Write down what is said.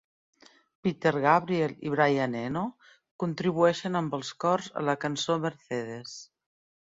Peter Gabriel i Brian Eno contribueixen amb els cors a la cançó Mercedes.